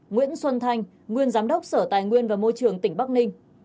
nguyễn xuân thanh nguyên giám đốc sở tài nguyên và môi trường tỉnh bắc ninh